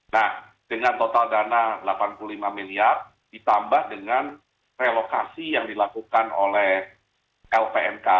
nah dengan total dana delapan puluh lima miliar ditambah dengan relokasi yang dilakukan oleh lpnk